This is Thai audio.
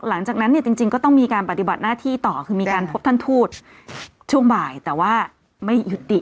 หลังจากนั้นเนี่ยจริงก็ต้องมีการปฏิบัติหน้าที่ต่อคือมีการพบท่านทูตช่วงบ่ายแต่ว่าไม่ยุติ